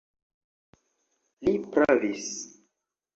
Li pravis.